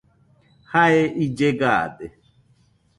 Jae ille gaade.